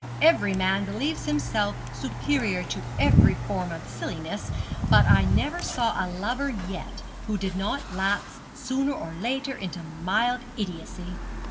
Every man believes himself superior to every form of silliness, but I never saw a lover yet who did not lapse sooner or later into mild idiocy.'